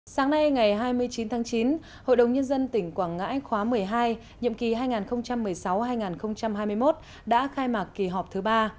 sáng nay ngày hai mươi chín tháng chín hội đồng nhân dân tỉnh quảng ngãi khóa một mươi hai nhiệm kỳ hai nghìn một mươi sáu hai nghìn hai mươi một đã khai mạc kỳ họp thứ ba